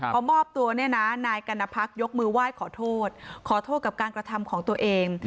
พอมอบตัวเนี่ยนะนายกัณพักยกมือไหว้ขอโทษขอโทษกับการกระทำของตัวเอง